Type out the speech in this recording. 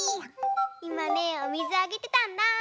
いまねおみずあげてたんだ。ねぇ。